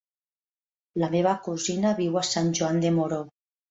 La meva cosina viu a Sant Joan de Moró.